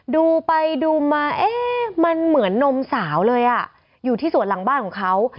ดูไปดูมาเอ๊ะมันเหมือนนมสาวเลยอยู่ที่สวนหลังบ้านของเขา